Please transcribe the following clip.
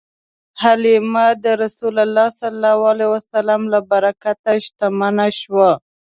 حلیمه د رسول الله ﷺ له برکته شتمنه شوه.